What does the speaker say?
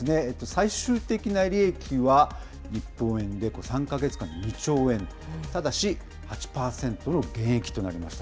最終的な利益は日本円で３か月間２兆円、ただし、８％の減益となりました。